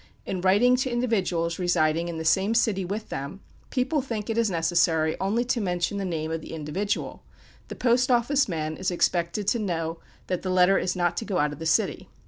In writing to individuals residing in the same city with them, people think it is necessary only to mention the name of the individual; the "post office man" is expected to know that the letter is not to go out of the city.